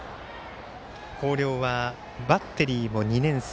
広陵はバッテリーも２年生